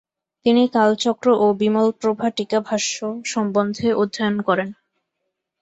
তিনি কালচক্র ও বিমলপ্রভা টীকাভাষ্য সম্বন্ধে অধ্যয়ন করেন।